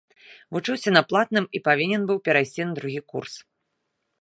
Вучыўся на платным і павінен быў перайсці на другі курс.